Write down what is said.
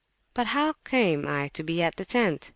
But how came I to be at the tent?